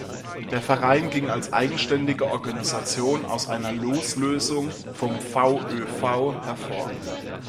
Der Verein ging als eigenständige Organisation aus einer Loslösung vom VöV hervor.